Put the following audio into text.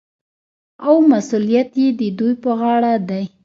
او مسوولیت یې د دوی په غاړه دی.